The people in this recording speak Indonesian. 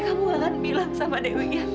kamu akan bilang sama dewi ya